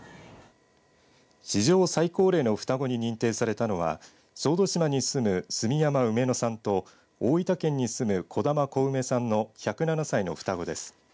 史上最高齢の双子に認定されたのは小豆島に住む、炭山ウメノさんと大分県に住む兒玉コウメさんの１０７歳の双子です。